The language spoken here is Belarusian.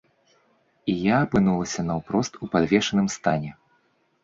І я апынулася наўпрост у падвешаным стане.